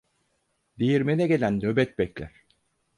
Değirmene gelen nöbet bekler.